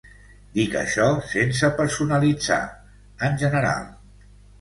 Dic això sense personalitzar, en general.